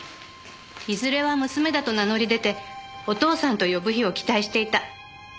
いずれは娘だと名乗り出てお父さんと呼ぶ日を期待していた。